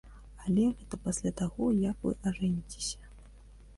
Але гэта пасля таго, як вы ажэніцеся.